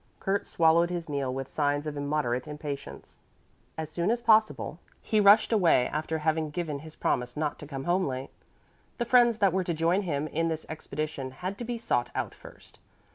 Kurt swallowed his meal with signs of immoderate impatience. As soon as possible he rushed away, after having given his promise not to come home late. The friends that were to join him in this expedition had to be sought out first.